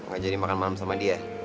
gak jadi makan malam sama dia